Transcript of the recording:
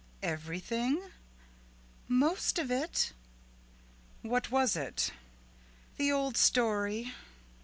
"Everything?" "Most of it." "What was it?" "The old story."